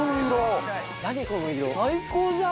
最高じゃん！